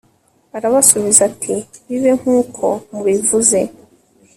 arabasubiza ati bibe nk'uko mubivuze